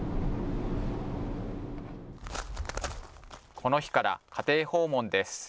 この日から家庭訪問です。